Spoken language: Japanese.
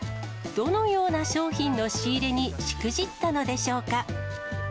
どのような商品の仕入れにしくじったのでしょうか。